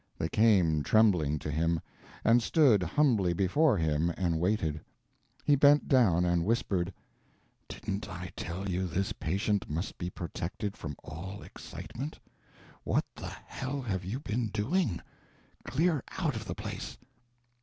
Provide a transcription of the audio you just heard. They came trembling to him, and stood humbly before him and waited. He bent down and whispered: "Didn't I tell you this patient must be protected from all excitement? What the hell have you been doing? Clear out of the place!"